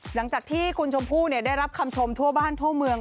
หลังจากที่คุณชมพู่ได้รับคำชมทั่วบ้านทั่วเมือง